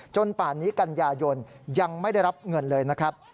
ป่านนี้กันยายนยังไม่ได้รับเงินเลยนะครับ